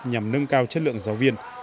nhằm nâng cao chất lượng giáo viên